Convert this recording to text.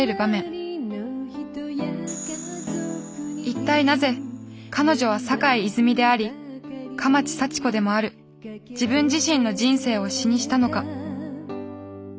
一体なぜ彼女は坂井泉水であり蒲池幸子でもある自分自身の人生を詞にしたのか